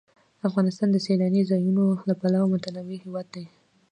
افغانستان د سیلاني ځایونو له پلوه متنوع هېواد دی.